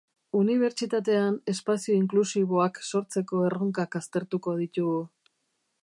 Unibertsitatean espazio inklusiboak sortzeko erronkak aztertuko ditugu.